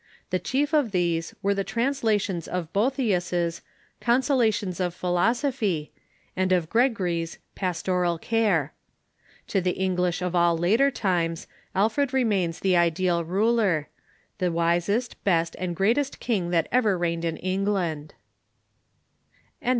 The chief of these were the translations of Boethius's " Consolations of Philosophy " and of Gregory's " Pastoral Care." To the Eng lish of all later times, Alfred remains the ideal ruler —" the wisest, best, and greatest king that ever reigned in Eng land."